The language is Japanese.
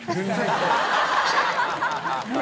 ハハハ